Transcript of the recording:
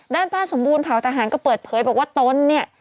ด้านป้าสมบูรณเผาทหารก็เปิดเผยบอกว่าตนเนี่ย